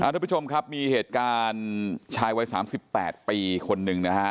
ทุกผู้ชมครับมีเหตุการณ์ชายวัย๓๘ปีคนหนึ่งนะฮะ